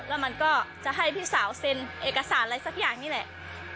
แล้วมันก็จะให้พี่สาวเซ็นเอกสารอะไรสักอย่างนี่แหละ